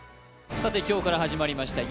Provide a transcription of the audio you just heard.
さて今日から始まりました